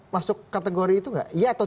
masuk kategori itu